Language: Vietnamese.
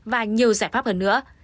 và nhiều giải pháp hơn nữa